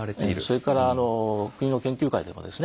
それからあの国の研究会でもですね